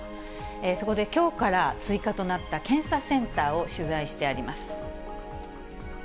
そこで、きょうから追加となった検査センターを取材してあります。